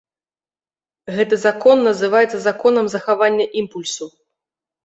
Гэты закон называецца законам захавання імпульсу.